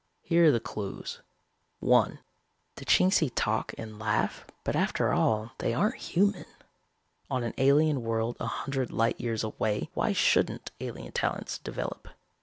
Here are the clues: (1) The Chingsi talk and laugh but after all they aren't human. On an alien world a hundred light years away, why shouldn't alien talents develop?